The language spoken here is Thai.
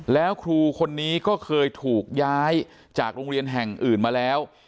แล้วครูคนนี้ก็เคยถูกย้ายจากโรงเรียนแห่งอื่นมาแล้ว